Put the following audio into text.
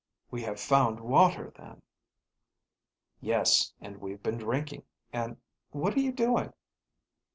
We have found water, then." "Yes, and we've been drinking, and What are you doing?"